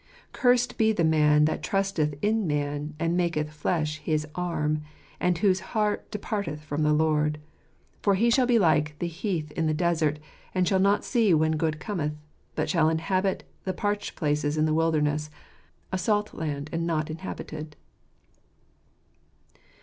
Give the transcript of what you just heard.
"Cursed be the man that trusteth in man, and maketh flesh his arm, and whose heart departeth from the Lord : for he shall be like the heath in the desert, and shall not see when good cometh ; but shall inhabit the parched places in the wilderness, a salt land and not inhabited."